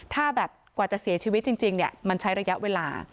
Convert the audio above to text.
ถ้าแบบกว่าจะเสียชีวิตจริงมันใช้ระยะเวลา